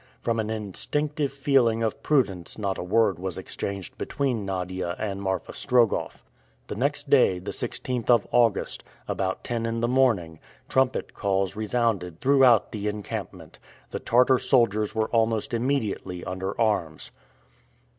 From an instinctive feeling of prudence not a word was exchanged between Nadia and Marfa Strogoff. The next day, the 16th of August, about ten in the morning, trumpet calls resounded throughout the encampment. The Tartar soldiers were almost immediately under arms.